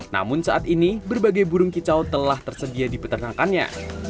namun saat ini berbagai burung kicau telah tersedia di peternakannya